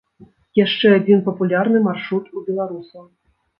Яшчэ адзін папулярны маршрут у беларусаў.